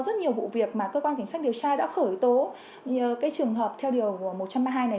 rất nhiều vụ việc mà cơ quan cảnh sát điều tra đã khởi tố cái trường hợp theo điều một trăm ba mươi hai này